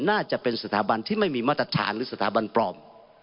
น่าจะเป็นสถาบันที่ไม่มีมาตรฐานหรือสถาบันปลอม